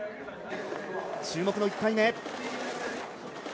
注目の１回目。